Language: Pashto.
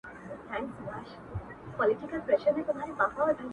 هغې ته خپل وجود پردی ښکاري او له ځان سره نااشنا ده,